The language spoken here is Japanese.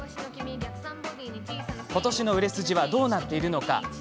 ことしの売れ筋はどうなっているのか。